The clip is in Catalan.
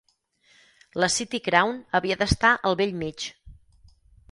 La "City crown" havia d'estar al bell mig.